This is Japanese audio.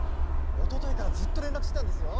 おとといからずっと連絡してたんですよ